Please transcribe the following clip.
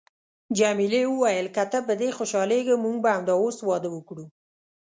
جميلې وويل: که ته په دې خوشحالیږې، موږ به همدا اوس واده وکړو.